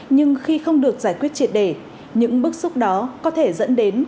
nhưng khi không được giải quyết triệt đề những bức xúc đó có thể dẫn đến